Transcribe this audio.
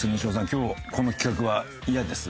今日この企画はイヤです？